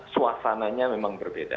suasananya memang berbeda